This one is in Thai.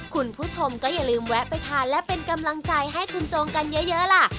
คุณผู้ชมก็อย่าลืมแวะไปทานและเป็นกำลังใจให้คุณโจงกันเยอะล่ะ